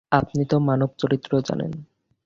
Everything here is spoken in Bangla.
আপনি তো মানবচরিত্র জানেন।